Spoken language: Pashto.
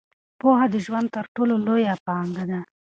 پوهه د ژوند تر ټولو لویه پانګه ده.